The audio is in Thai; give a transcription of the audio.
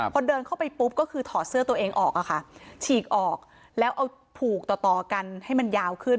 พอเดินเข้าไปปุ๊บก็คือถอดเสื้อตัวเองออกอะค่ะฉีกออกแล้วเอาผูกต่อกันให้มันยาวขึ้น